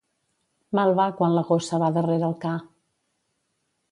Mal va quan la gossa va darrere el ca.